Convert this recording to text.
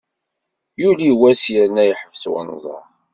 Yuli wass yernu yeḥbes unẓar.